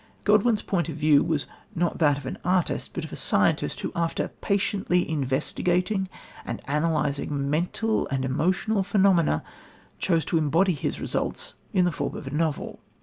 Godwin's point of view was not that of an artist but of a scientist, who, after patiently investigating and analysing mental and emotional phenomena, chose to embody his results in the form of a novel.